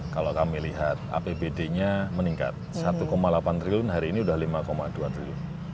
kalau kami lihat apbd nya meningkat satu delapan triliun hari ini sudah lima dua triliun